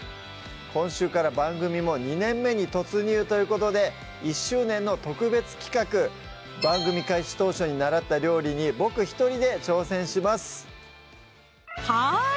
今週から番組も２年目に突入ということで１周年の特別企画番組開始当初に習った料理に僕１人で挑戦しますはい！